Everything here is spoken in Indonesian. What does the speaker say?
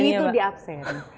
ini tuh di absen